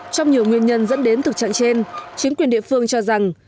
trong nhiều nguyên nhân dẫn đến thực trạng trên chính quyền địa phương cho rằng